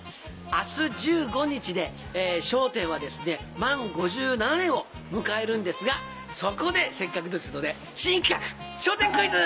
明日１５日で『笑点』は満５７年を迎えるんですがそこでせっかくですので新企画！